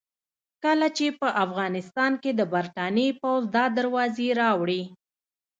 کله چې په افغانستان کې د برتانیې پوځ دا دروازې راوړې.